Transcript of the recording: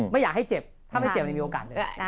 ไม่อยากให้เจ็บถ้าไม่เจ็บมีโอกาสเลย